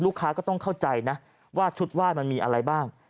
ลูกค้าก็ต้องเข้าใจน่ะว่าชุดว่ายมันมีอะไรบ้าง